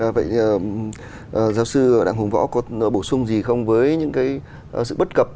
vậy giáo sư đặng hùng võ có bổ sung gì không với những cái sự bất cập